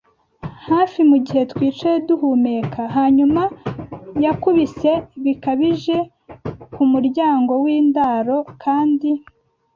hafi, mugihe twicaye duhumeka. Hanyuma yakubise bikabije ku muryango w'indaro, kandi